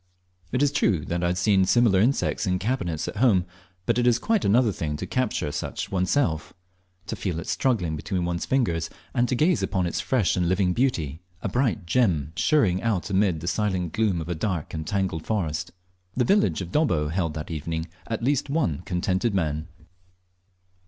It is true I had seen similar insects in cabinets at home, but it is quite another thing to capture such oneself to feel it struggling between one's fingers, and to gaze upon its fresh and living beauty, a bright gem shirring out amid the silent gloom of a dark and tangled forest. The village of Dobbo held that evening at least one contented man.